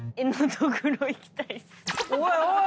おいおい